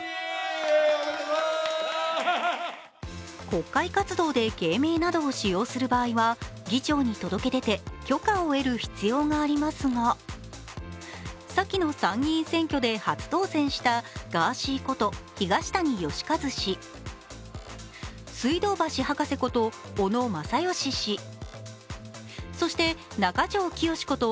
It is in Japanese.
国会活動で芸名などを使用する場合は議長に届け出て許可を得る必要がありますが先の参議院選挙で初当選したガーシーこと東谷義和氏、水道橋博士こと小野正芳氏、そして、中条きよしこと